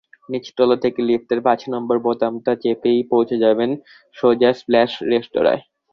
নিচতলা থেকে লিফটের পাঁচ নম্বর বোতামটা চেপেই পৌঁছে যাবেন সোজা স্প্ল্যাশ রেস্তোরাঁয়।